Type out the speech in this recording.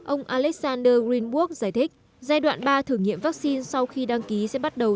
ông alexander greenburg giải thích giai đoạn ba thử nghiệm vaccine sau khi đăng ký sẽ bắt đầu